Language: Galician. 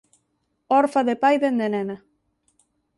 Orfa de pai dende nena.